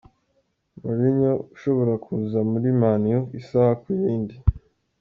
Mourinho ushobora kuza muri Man u isaha kuyindi